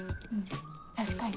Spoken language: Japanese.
確かに。